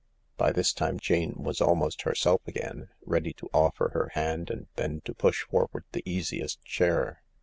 By this time Jane was almost herself again, ready to offer her hand and then to push forward the easiest chair.